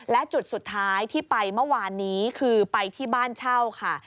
และจุดสุดท้ายที่ไปเมื่อวานนี้คือไปที่บ้านเช่าค่ะ